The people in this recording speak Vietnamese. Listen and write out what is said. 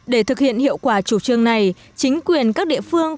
để thực hiện hiệu quả chủ trương này chính quyền các địa phương